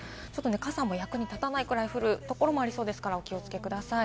傘も役に立たないくらい降るところもありそうですから、お気をつけください。